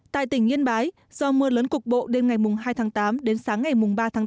tại tỉnh yên bái do mưa lớn cục bộ đêm ngày hai tháng tám đến sáng ngày ba tháng tám